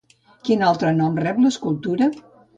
Quin altre nom rep l'escultura?